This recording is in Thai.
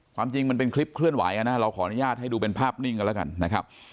ความจริงมันเป็นคลิปเคลื่อนไหวนะเราขออนุญาตให้ดูเป็นภาพนิ่งกันแล้วกันนะครับ